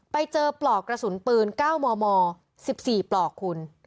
ไปเจอปลอกกระสุนปืน๙มม๑๔ปลอกคุณ